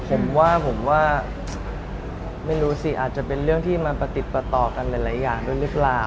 ผมว่าผมว่าไม่รู้สิอาจจะเป็นเรื่องที่มันประติดประต่อกันหลายอย่างด้วยหรือเปล่า